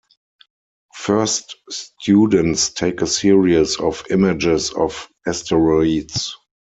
First students take a series of images of asteroids.